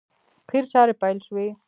قیر چارې پیل شوې!